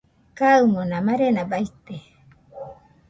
Kaɨmona marena baite